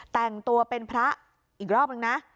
แต่งตัวเป็นพระอีกรอบนึงนะ